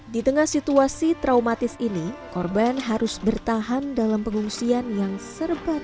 di tengah situasi traumatis ini korban harus bertahan dalam pengungsian yang serba